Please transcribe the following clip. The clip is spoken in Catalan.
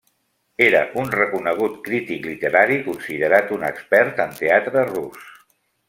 Era un reconegut crític literari, considerat un expert en teatre rus.